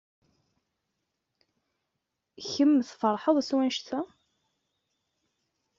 Kemm tfeṛḥeḍ s wanect-a?